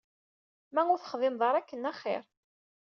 Ma ur texdimeḍ ara akken axir.